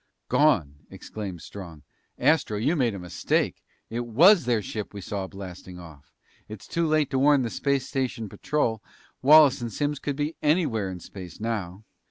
"Gone!" exclaimed Strong. "Astro, you made a mistake! It was their ship we saw blasting off. It's too late to warn the space station patrol. Wallace and Simms could be anywhere in space now!"